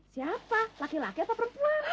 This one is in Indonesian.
siapa laki laki atau perempuan